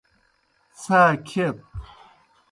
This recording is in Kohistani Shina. څھا کھیت۔